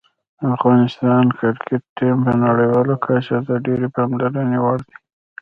د افغانستان کرکټ ټیم په نړیواله کچه د ډېرې پاملرنې وړ دی.